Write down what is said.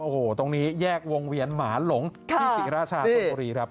โอ้โหตรงนี้แยกวงเวียนหมาหลงที่ศรีราชาชนบุรีครับ